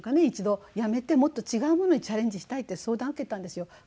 一度辞めてもっと違うものにチャレンジしたいって相談を受けたんですよ。